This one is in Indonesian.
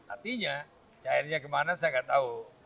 artinya cairnya kemana saya nggak tahu